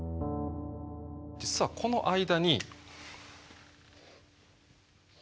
実はこの間に。